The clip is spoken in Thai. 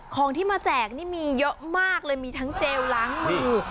ของที่มาแจกนี่มีเยอะมากเลยมีทั้งเจลล้างมือ